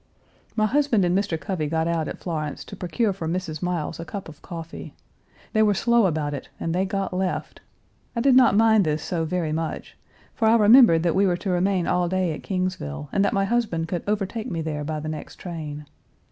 My husband and Mr. Covey got out at Florence to procure for Mrs. Miles a cup of coffee. They were slow about it and they got left. I did not mind this so very much, for I remembered that we were to remain all day at Kingsville, and that my husband could overtake me there by the next train.